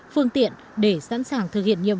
phương tiện để sẵn sàng thực hiện nghiêm